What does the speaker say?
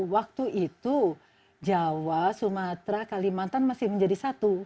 waktu itu jawa sumatera kalimantan masih menjadi satu